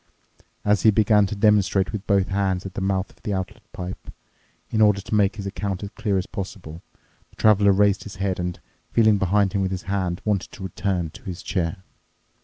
As he began to demonstrate with both hands at the mouth of the outlet pipe, in order to make his account as clear as possible, the Traveler raised his head and, feeling behind him with his hand, wanted to return to his chair.